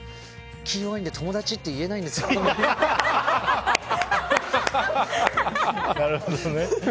気が弱いんで友達って言えないんですよね。